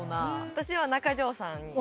私は中城さん。